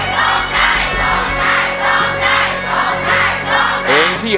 ขอบคุณครับ